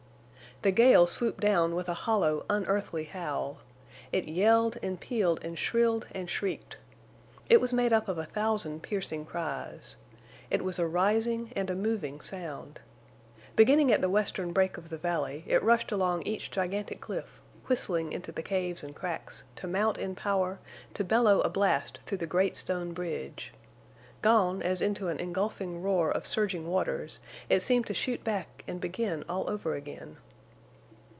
The gale swooped down with a hollow unearthly howl. It yelled and pealed and shrilled and shrieked. It was made up of a thousand piercing cries. It was a rising and a moving sound. Beginning at the western break of the valley, it rushed along each gigantic cliff, whistling into the caves and cracks, to mount in power, to bellow a blast through the great stone bridge. Gone, as into an engulfing roar of surging waters, it seemed to shoot back and begin all over again.